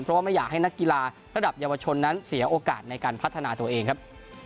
เพราะว่าไม่อยากให้นักกีฬาระดับเยาวชนนั้นเสียโอกาสในการพัฒนาตัวเองครับ